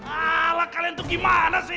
ala kalian tuh gimana sih